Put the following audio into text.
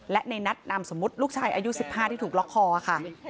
และในนัดนามสมมุติลูกชายอายุ๑๕ที่ถูกล็อกคอค่ะ